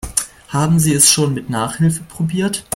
Haben Sie es schon mit Nachhilfe probiert?